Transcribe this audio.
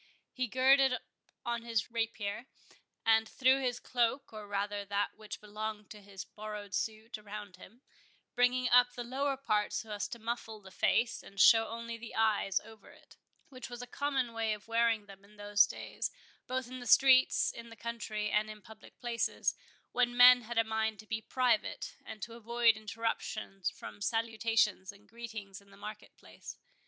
He girded on his rapier, and threw his cloak, or rather that which belonged to his borrowed suit, about him, bringing up the lower part so as to muffle the face and show only the eyes over it, which was a common way of wearing them in those days, both in streets, in the country, and in public places, when men had a mind to be private, and to avoid interruption from salutations and greetings in the market place.